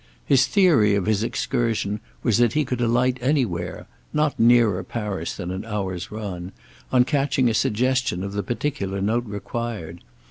His theory of his excursion was that he could alight anywhere—not nearer Paris than an hour's run—on catching a suggestion of the particular note required.